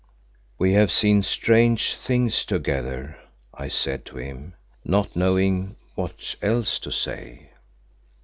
"We have seen strange things together," I said to him, not knowing what else to say.